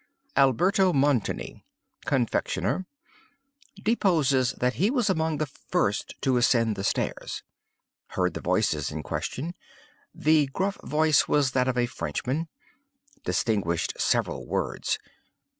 "Alberto Montani, confectioner, deposes that he was among the first to ascend the stairs. Heard the voices in question. The gruff voice was that of a Frenchman. Distinguished several words.